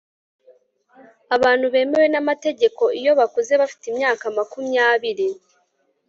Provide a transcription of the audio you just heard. abantu bemewe n'amategeko iyo bakuze bafite imyaka makumyabiri